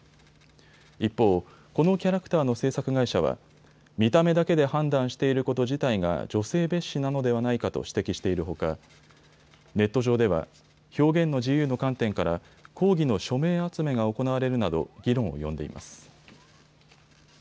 一方、このキャラクターの制作会社は見た目だけで判断していること自体が女性蔑視なのではないかと指摘しているほかネット上では表現の自由の観点から抗議の署名集めが行われるなど議論を呼んでいます。